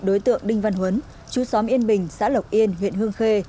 đối tượng đinh văn huấn chú xóm yên bình xã lộc yên huyện hương khê